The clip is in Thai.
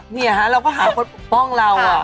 เนี่ยฮะเราก็หาคนปกป้องเรา